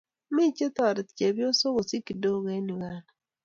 Me chetareti chebyosok kosich kidogo eng Uganda.